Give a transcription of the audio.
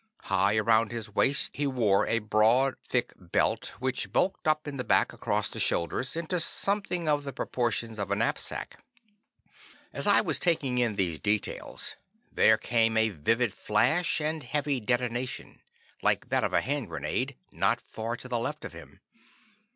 High around his waist he wore a broad, thick belt, which bulked up in the back across the shoulders, into something of the proportions of a knapsack. As I was taking in these details, there came a vivid flash and heavy detonation, like that of a hand grenade, not far to the left of him.